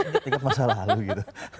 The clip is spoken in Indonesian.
gitu gitu masalah lalu gitu